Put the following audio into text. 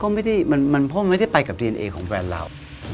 มันเพราะมันไม่ได้ไปกับดีเอนเอของแบรนด์เรา